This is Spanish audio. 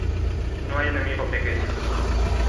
No hay enemigo pequeño